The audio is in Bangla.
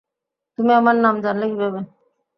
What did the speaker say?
তুমি আমার নাম জানলে কিভাবে?